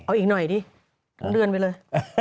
เอาอีกหน่อยดิเดือนไปเลย